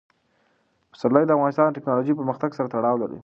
پسرلی د افغانستان د تکنالوژۍ پرمختګ سره تړاو لري.